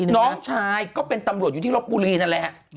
น้องชายก็เป็นตำรวจอยู่ที่ลบบุรีนั่นแหละ